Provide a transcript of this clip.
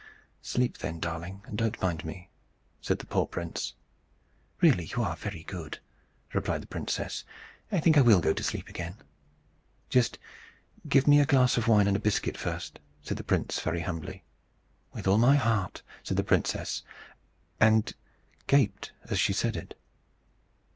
"Sleep then, darling, and don't mind me," said the poor prince. "Really, you are very good," replied the princess. "I think I will go to sleep again." "Just give me a glass of wine and a biscuit first," said the prince, very humbly. "With all my heart," said the princess, and gaped as she said it.